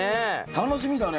楽しみだね。